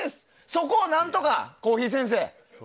そこを何とか、コーヒー先生！